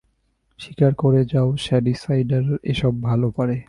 স্বীকার করে যাও শ্যাডিসাইডাররা এসব ভালো পারে।